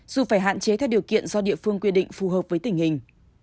dù phải hạn chế theo điều kiện do địa phương quy định phù hợp với tình hình